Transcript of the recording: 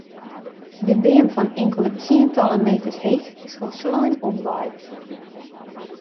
De beam fan inkelde tsientallen meters heech is folslein omwaaid.